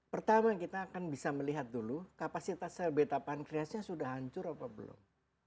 pertama kita akan bisa melihat dulu kapasitas sel beta pankreasnya sudah hancur apa belum